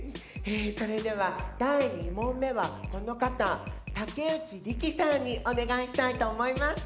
それでは第２問目はこの方竹内力さんにお願いしたいと思います。